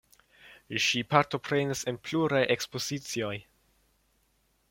Ŝi partoprenis en pluraj ekspozicioj.